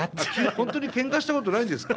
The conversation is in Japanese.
本当にけんかしたことないんですか？